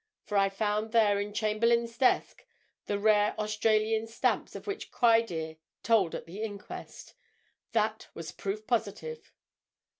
For I found there, in Chamberlayne's desk, the rare Australian stamps of which Criedir told at the inquest. That was proof positive."